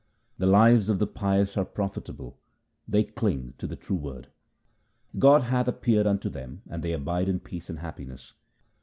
The lives of the pious are profitable ; they cling to. the true Word. God hath appeared unto them, and they abide in peace and happiness.